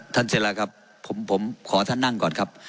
ท่านเซฬาครับผมขอท่านนั่งก่อนครับ